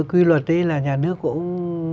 quy luật đấy là nhà nước cũng